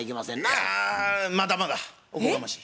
いやまだまだおこがましい。